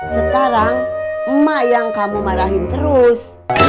sekarang emak yang kamu marahin terus